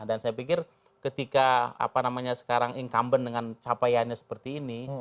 dan saya pikir ketika apa namanya sekarang incumbent dengan capaiannya seperti ini